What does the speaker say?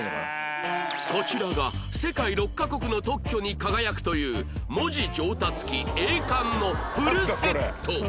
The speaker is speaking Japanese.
こちらが世界６カ国の特許に輝くという文字上達器エーカンのフルセット